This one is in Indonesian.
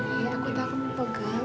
aku tahu kamu pegal